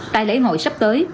tại lễ hội sắp tới